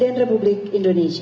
dan pemerintahan indonesia